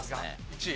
１位？